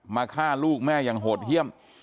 ฆ่าลูกแม่อย่างโหดเยี่ยม